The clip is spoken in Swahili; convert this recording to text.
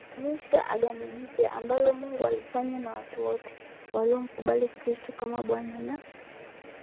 kusimamisha Agano jipya ambalo Mungu alifanya na watu wote watakaomkubali Kristo kama Bwana na